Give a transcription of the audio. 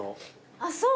あっそう。